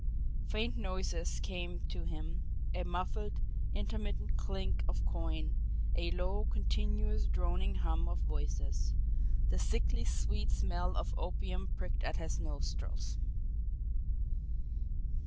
Faint noises came to him, a muffled, intermittent clink of coin, a low, continuous, droning hum of voices; the sickly sweet smell of opium pricked at his nostrils.